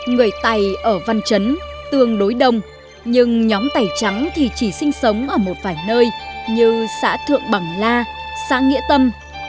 người tày ở văn chấn tương đối đông nhưng nhóm tày trắng thì chỉ sinh sống ở một vài nơi như xã thượng bằng la xã nghĩa tâm